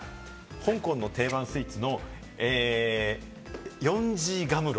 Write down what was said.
香港の定番スイーツのヨンジーガムロ。